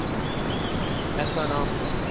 ایسا نہ ہوا۔